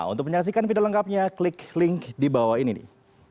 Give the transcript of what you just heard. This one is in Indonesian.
untuk menyaksikan video lengkapnya klik link di bawah ini nih